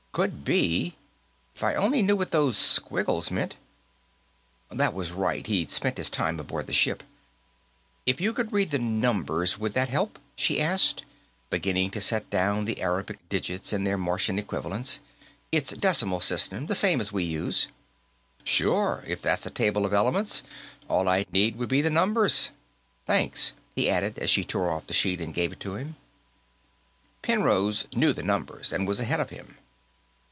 "Could be. If I only knew what those squiggles meant " That was right; he'd spent his time aboard the ship. "If you could read the numbers, would that help?" she asked, beginning to set down the Arabic digits and their Martian equivalents. "It's decimal system, the same as we use." "Sure. If that's a table of elements, all I'd need would be the numbers. Thanks," he added as she tore off the sheet and gave it to him. Penrose knew the numbers, and was ahead of him.